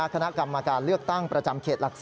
คณะกรรมการเลือกตั้งประจำเขตหลัก๔